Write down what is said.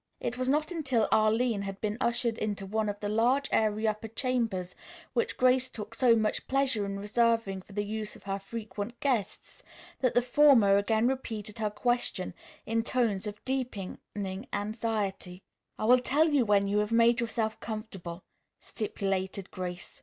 It was not until Arline had been ushered into one of the large, airy upper chambers which Grace took so much pleasure in reserving for the use of her frequent guests, that the former again repeated her question in tones of deepening anxiety. "I will tell you when you have made yourself comfortable," stipulated Grace.